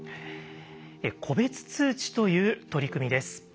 個別通知という取り組みです。